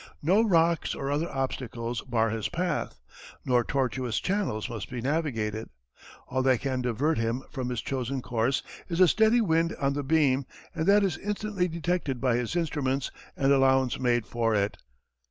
No rocks or other obstacles bar his path, no tortuous channels must be navigated. All that can divert him from his chosen course is a steady wind on the beam, and that is instantly detected by his instruments and allowance made for it.